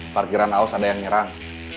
parkiran aus ada yang nyerang